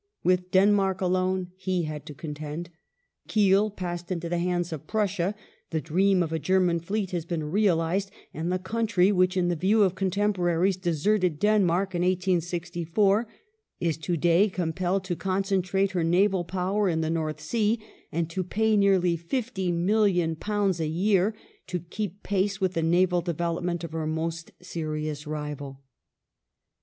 With Denmark alone he had to contend ; Kiel passed into the hands of Prussia ; the dream of a German fleet has been realized, and the country which, in the view of contemporaries, deserted Denmai'k in 1864 is to day compelled to concentrate her naval power in the North Sea and to pay nearly £50,000,000 a year to keep pace with the naval development of her most serious rival.